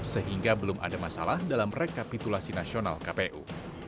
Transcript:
sehingga belum ada masalah dalam rekapitulasi nasional kpu